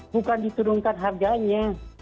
bukan diturunkan harganya